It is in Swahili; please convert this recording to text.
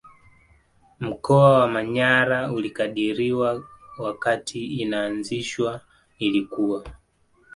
Mkoa wa manyara ulikadiriwa wakati inaazishwa ilikuwa